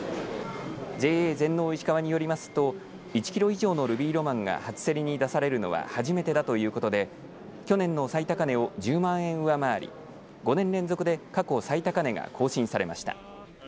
ＪＡ全農いしかわによりますと１キロ以上のルビーロマンが初競りに出されるのは初めてだということで去年の最高値を１０万円上回り５年連続で過去最高値が更新されました。